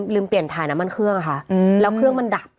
ลืมเปลี่ยนถ่ายน้ำมันเครื่องอะค่ะแล้วเครื่องมันดับ